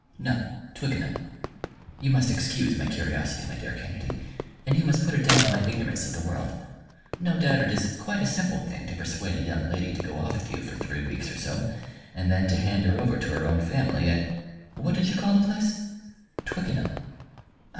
"No, Twickenham." "You must excuse my curiosity, my dear Kennedy, and you must put it down to my ignorance of the world. No doubt it is quite a simple thing to persuade a young lady to go off with you for three weeks or so, and then to hand her over to her own family at what did you call the place?" "Twickenham."